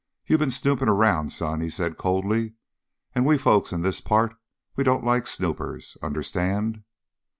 "You been snooping around, son," he said coldly. "And we folks in this part, we don't like snoopers. Understand?"